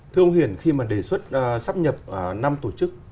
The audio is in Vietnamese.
thưa ông hiền khi mà đề xuất sắp nhập năm tổ chức